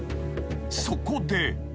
そこで］